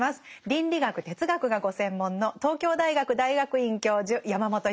倫理学哲学がご専門の東京大学大学院教授山本芳久さんです。